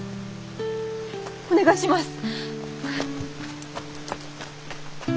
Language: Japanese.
お願いします！